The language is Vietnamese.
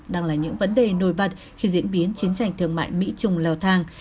đang là những vấn đề nổi bật khi diễn biến chiến tranh thương mại mỹ trung leo thang